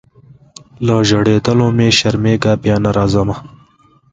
له ژړېدلو مي شرمېږمه بیا نه راځمه